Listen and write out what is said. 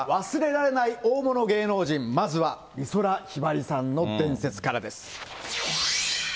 忘れられない大物芸能人、まずは美空ひばりさんの伝説からです。